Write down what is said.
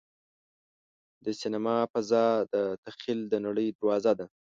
د سینما فضا د تخیل د نړۍ دروازه ده.